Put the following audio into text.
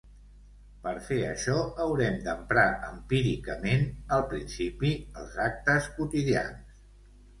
Per fer això haurem d'emprar empíricament, al principi, els actes quotidians.